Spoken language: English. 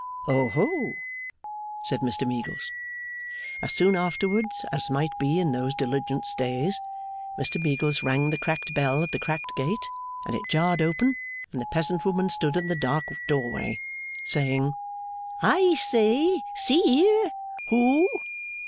'Oho!' said Mr Meagles. As soon afterwards as might be in those Diligence days, Mr Meagles rang the cracked bell at the cracked gate, and it jarred open, and the peasant woman stood in the dark doorway, saying, 'Ice say! Seer! Who?